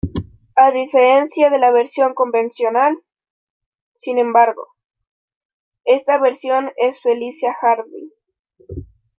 A diferencia de la versión convencional, sin embargo, esta versión es Felicia Hardy.